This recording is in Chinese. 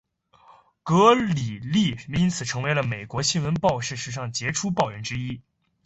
格里利也因此成为了美国新闻史上杰出报人之一。